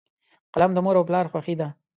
قلم د مور او پلار خوښي ده.